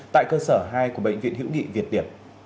tại cơ sở hai của bệnh viện hữu nghị việt tiển